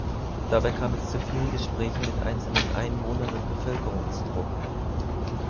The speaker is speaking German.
Dabei kam es zu vielen Gesprächen mit einzelnen Einwohnern und Bevölkerungsgruppen.